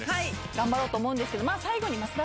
頑張ろうと思うんですけど。